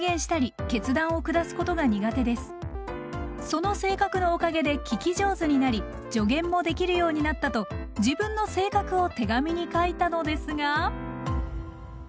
その性格のおかげで聞き上手になり助言もできるようになったと自分の性格を手紙に書いたのですが。